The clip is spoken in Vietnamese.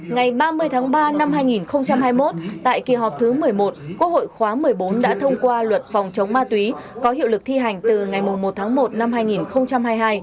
ngày ba mươi tháng ba năm hai nghìn hai mươi một tại kỳ họp thứ một mươi một quốc hội khóa một mươi bốn đã thông qua luật phòng chống ma túy có hiệu lực thi hành từ ngày một tháng một năm hai nghìn hai mươi hai